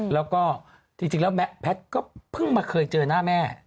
แล้วก็จริงแล้วแพทย์ก็เพิ่งมาเคยเจอหน้าแม่